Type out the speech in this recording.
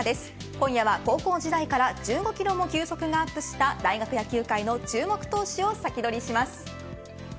今夜は高校時代から１５キロも急速がアップした大学野球界の注目投手をサキドリします。